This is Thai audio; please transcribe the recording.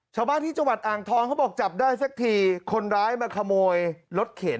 ชาวบ้านจังหวัดอังท้องเขาบอกจับได้แทคนร้ายมาขโมยรถเขน